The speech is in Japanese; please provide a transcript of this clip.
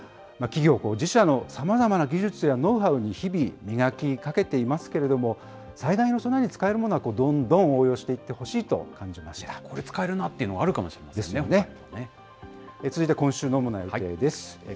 企業、自社のさまざまな技術やノウハウに日々、磨きをかけてますけれども、災害の備えに使えるものはどんどん応用していってほしいと感じまこれ使えるなっていうの、あるかもしれないですね、ほかにもね。ですよね。